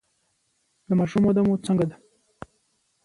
د ماشوم وده مو څنګه ده؟